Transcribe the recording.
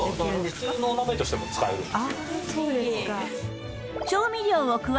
普通のお鍋としても使えるんですよ。